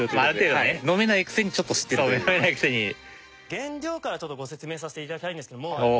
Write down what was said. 原料からちょっとご説明させて頂きたいんですけども。